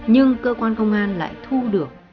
nhưng cơ quan công an lại thu được